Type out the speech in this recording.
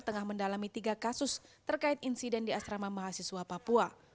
tengah mendalami tiga kasus terkait insiden di asrama mahasiswa papua